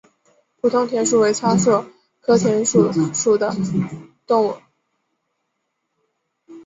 普通田鼠为仓鼠科田鼠属的动物。